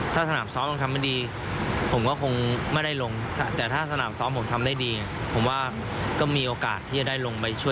ถ้าสนามซ้อมต้องทำไม่ดีผมก็คงไม่ได้ลงแต่ถ้าสนามซ้อมผมทำได้ดีผมว่าก็มีโอกาสที่จะได้ลงไปช่วย